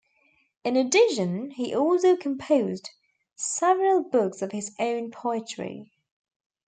In addition, he also composed several books of his own poetry.